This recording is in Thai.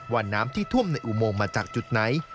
น้ำที่ท่วมในอุโมงมาจากจุดไหน